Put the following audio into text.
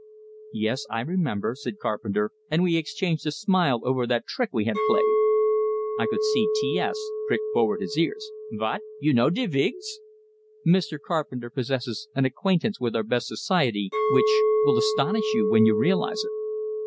"Yes, I remember," said Carpenter; and we exchanged a smile over that trick we had played. I could see T S prick forward his ears. "Vot? You know de Viggs?" "Mr. Carpenter possesses an acquaintance with our best society which will astonish you when you realize it."